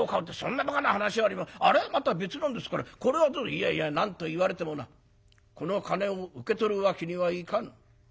「いやいや何と言われてもなこの金を受け取るわけにはいかぬ。